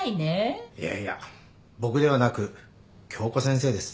いやいや僕ではなく今日子先生です。